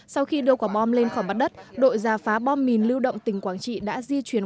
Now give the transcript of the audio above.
sau khi đưa quả bom lên khỏi mặt đất đội giả phá bom mìn lưu động tỉnh quảng trị đã di chuyển